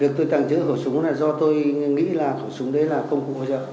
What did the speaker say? việc tôi tàng trữ khẩu súng là do tôi nghĩ là khẩu súng đấy là công cụ bất chấp